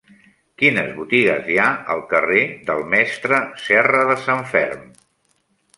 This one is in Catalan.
Quines botigues hi ha al carrer del Mestre Serradesanferm?